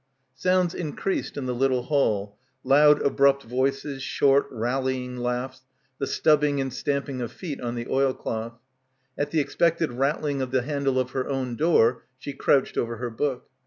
Sounds increased in the little hall, loud abrupt voices, short rallying laughs, the stubbing and stamping of feet on the oilcloth. At the ex pected rattling of the handle of her own door she crouched over her book.